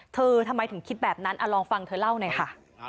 ทำไมถึงคิดแบบนั้นลองฟังเธอเล่าหน่อยค่ะ